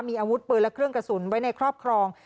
มีอาวุธปืนและเครื่องกระสุนไว้ในครอบครอง